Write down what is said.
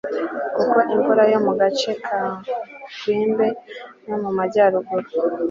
kuko imvura yo mu gace ka gwembe no mu majyaruguru